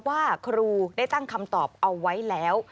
ว่าครูได้ตั้งคำตอบเอาไว้แล้ว